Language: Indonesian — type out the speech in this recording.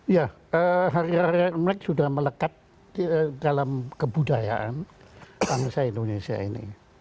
ya hari hari imlek sudah melekat dalam kebudayaan bangsa indonesia ini